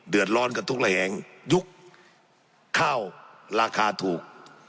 เดือดร้อนกับทุกระแหงยุคข้าวราคาถูก